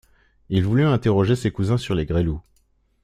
Il voulut interroger ses cousins sur les Gresloup.